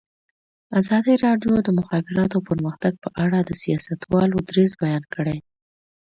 ازادي راډیو د د مخابراتو پرمختګ په اړه د سیاستوالو دریځ بیان کړی.